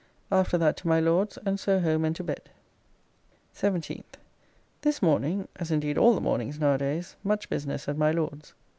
After that to my Lord's and so home and to bed. 17th. This morning (as indeed all the mornings nowadays) much business at my Lord's.